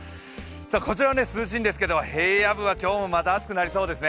こちら、涼しいんですけど平野部は今日もまた暑くなりそうです